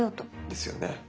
ですよね。